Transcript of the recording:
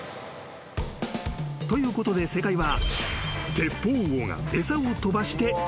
［ということで正解は］